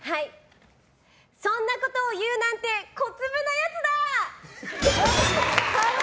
そんなことを言うなんて小粒なやつだ！